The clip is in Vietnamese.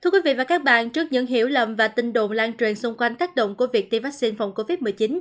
thưa quý vị và các bạn trước những hiểu lầm và tin đồn lan truyền xung quanh tác động của việc tiêm vaccine phòng covid một mươi chín